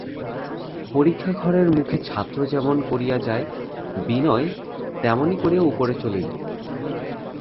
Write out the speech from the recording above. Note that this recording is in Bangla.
পরীক্ষাঘরের মুখে ছাত্র যেমন করিয়া যায় বিনয় তেমনি করিয়া উপরে চলিল।